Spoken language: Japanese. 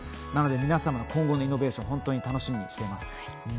皆さんの今後のイノベーションを本当に楽しみにしています。